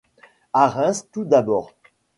À Reims tout d'abord.